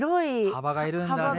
幅がいるんだね。